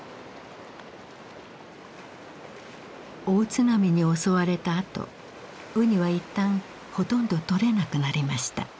大津波に襲われたあとウニは一旦ほとんどとれなくなりました。